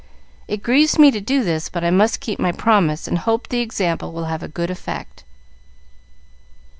It grieves me to do this, but I must keep my promise, and hope the example will have a good effect."